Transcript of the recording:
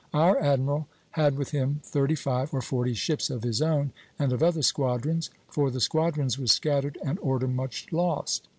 Our admiral had with him thirty five or forty ships of his own and of other squadrons, for the squadrons were scattered and order much lost.